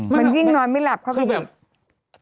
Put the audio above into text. มันยิ่งนอนไม่หลับเขาก็ดี